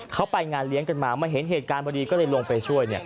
เขาไปงานเลี้ยงกันมามาเห็นเหตุการณ์พอดีก็เลยลงไปช่วย